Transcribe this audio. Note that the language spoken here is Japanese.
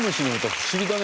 不思議だね。